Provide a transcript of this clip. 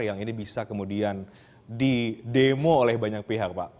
yang ini bisa kemudian didemo oleh banyak pihak pak